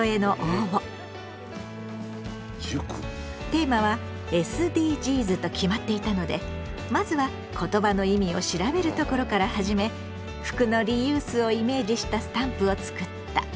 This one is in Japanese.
テーマはＳＤＧｓと決まっていたのでまずは言葉の意味を調べるところから始め服のリユースをイメージしたスタンプをつくった。